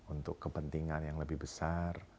untuk kepentingan yang lebih besar